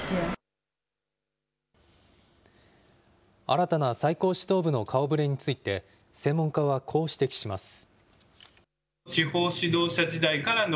新たな最高指導部の顔ぶれについて、専門家はこう指摘します。